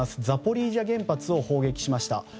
ザポリージャ原発を砲撃しました。